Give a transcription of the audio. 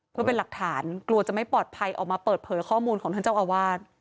เพื่อเป็นหลักฐานกลัวจะไม่ปลอดภัยออกมาเปิดเผยข้อมูลของท่านเจ้าอาวาส